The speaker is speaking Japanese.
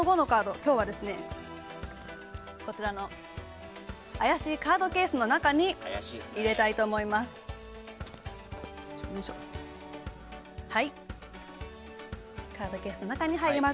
今日は怪しいカードケースの中に入れたいと思います。